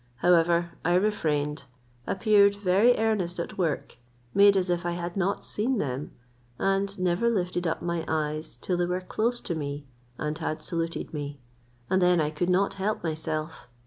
However I refrained, appeared very earnest at work, made as if I had not seen them, and never lifted up my eyes till they were close to me and had saluted me, and then I could not help myself.